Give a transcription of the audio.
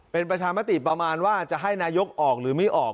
เป็นประชามติประมาณว่าจะให้นายกออกหรือไม่ออก